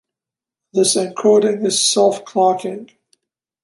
This encoding is self-clocking.